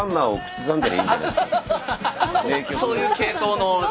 そういう系統の。